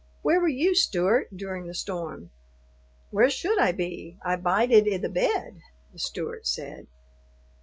Where were you, Stewart, during the storm?" "Where should I be? I bided i' the bed," the Stewart said.